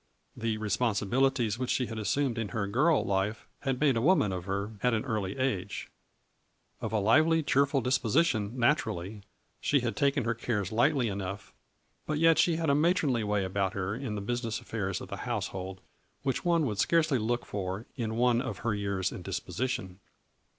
The responsi bilities which she had assumed in her girl life had made a woman of her at an early age. Of 96 A FLURBY IN DIAMONDS. a lively cheerful disposition naturally, she had taken her cares lightly enough, but yet she had a matronly way about her in the business affairs of the household which one would scarcely look for in one of her years and disposition.